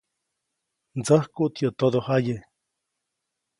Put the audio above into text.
Ndsäjkuʼt yäʼ todojaye.